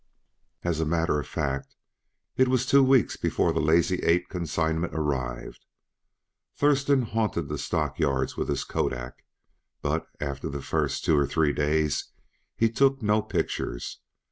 As a matter of fact, it was two weeks before the Lazy Eight consignment arrived. Thurston haunted the stockyards with his Kodak, but after the first two or three days he took no pictures.